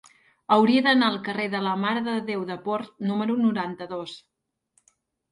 Hauria d'anar al carrer de la Mare de Déu de Port número noranta-dos.